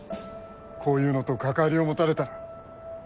こういうのと関わりを持たれたら。